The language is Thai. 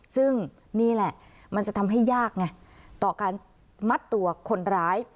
ซึ่งนี่แหละมันจะทำให้ยากไงต่อการมัดตัวคนร้าย